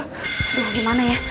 aduh gimana ya